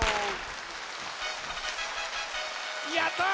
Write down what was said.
やった！